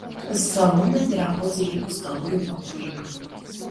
З салона пераходзілі ў сталовы пакой.